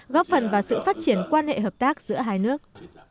góp phần vào sự phát triển quan hệ hợp tác giữa hai nước